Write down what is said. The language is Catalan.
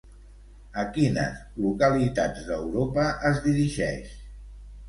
A quines localitats d'Europa es dirigeix?